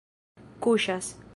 kuŝas